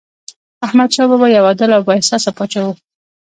احمدشاه بابا یو عادل او بااحساسه پاچا و.